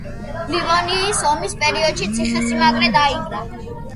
ლივონიის ომის პერიოდში ციხესიმაგრე დაინგრა.